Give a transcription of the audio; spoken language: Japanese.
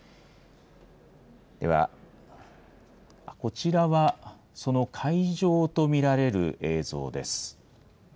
では、こちらはその会場と見られる映像です。